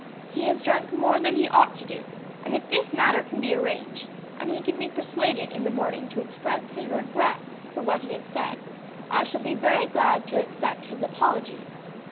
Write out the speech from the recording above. He has drunk more than he ought to do, and if this matter can be arranged, and he can be persuaded in the morning to express his regret for what he has said, I shall be very glad to accept his apology.